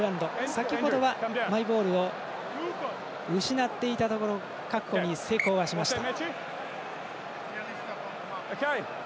先ほどはマイボールを失っていたところ確保に成功しました。